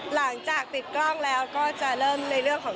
หลังจากติดกล้องแล้วก็จะเริ่มในเรื่องของ